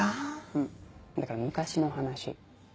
うんだから昔の話。